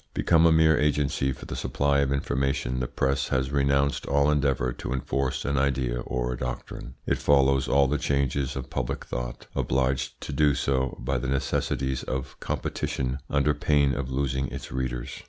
Become a mere agency for the supply of information, the press has renounced all endeavour to enforce an idea or a doctrine. It follows all the changes of public thought, obliged to do so by the necessities of competition under pain of losing its readers.